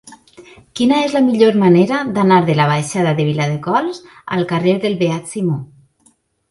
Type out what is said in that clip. Quina és la millor manera d'anar de la baixada de Viladecols al carrer del Beat Simó?